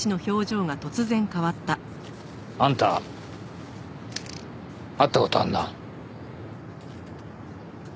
あんた会った事あるな。